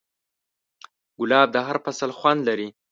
ګلاب د هر فصل خوند لري.